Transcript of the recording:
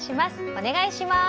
お願いします。